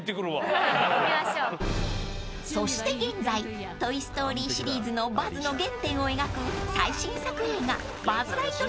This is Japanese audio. ［そして現在『トイ・ストーリー』シリーズのバズの原点を描く最新作映画］